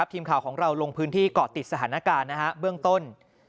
ทีมข่าวของเราลงพื้นที่เกาะติดสถานการณ์เบื้องต้น